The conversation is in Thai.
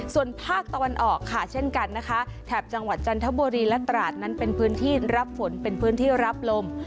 ส่วนภาคตะวันออกค่ะเช่นกันนะคะแถบจังหวัดจันทบุรีและตราดนั้นเป็นพื้นที่รับฝนเป็นพื้นที่รับลม